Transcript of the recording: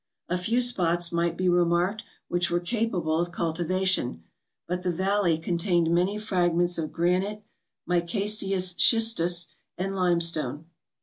A few spots might be remarked which were capable of cultivation; but MOUNT TAURUS. 195 the valley contained many fragments of granite, micaceous schistus and limestone.